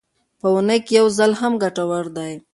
په اونۍ کې یو ځل هم ګټور دی.